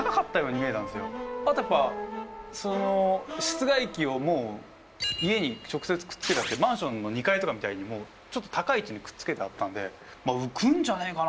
あとやっぱその室外機をもう家に直接くっつけてあってマンションの２階とかみたいにちょっと高い位置にくっつけてあったんで浮くんじゃないかな。